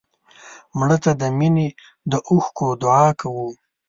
مړه ته د مینې د اوښکو دعا کوو